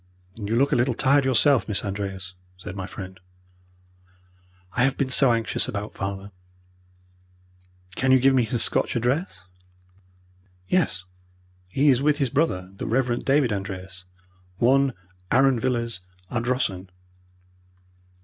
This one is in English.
"You look a little tired yourself, Miss Andreas," said my friend. "I have been so anxious about father." "Can you give me his Scotch address?" "Yes, he is with his brother, the Rev. David Andreas, 1, Arran Villas, Ardrossan."